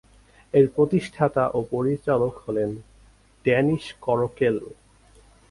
এর প্রতিষ্ঠাতা ও পরিচালক হলেন ড্যানিশ করোকেল।